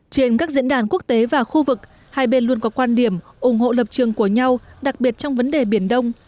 trên các diễn đàn quốc tế và khu vực hai bên luôn có quan điểm ủng hộ lập trường của nhau đặc biệt trong vấn đề biển đông